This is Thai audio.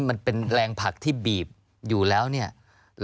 เพราะว่ารายเงินแจ้งไปแล้วเพราะว่านายจ้างครับผมอยากจะกลับบ้านต้องรอค่าเรนอย่างนี้